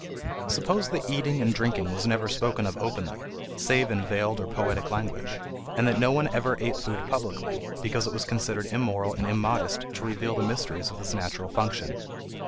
Suppose that eating and drinking was never spoken of openly, save in veiled or poetic language, and that no one ever ate food publicly, because it was considered immoral and immodest to reveal the mysteries of this natural function.